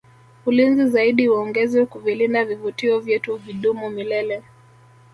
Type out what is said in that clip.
ulinzi zaidi uongezwe kuvilinda vivutio vyetu vidumu milele